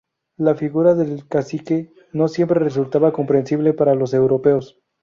La figura del cacique no siempre resultaba comprensible para los europeos.